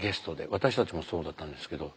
私たちもそうだったんですけど。